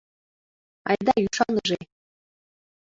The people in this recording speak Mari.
Айда ӱшаныже!